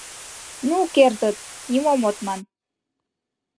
Ну, кертыт, нимом от ман!..